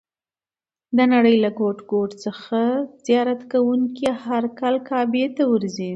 د نړۍ له ګوټ ګوټ څخه زیارت کوونکي هر کال کعبې ته ورځي.